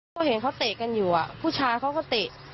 ก็เห็นเขาเตะกันอยู่ผู้ชายเขาก็เตะ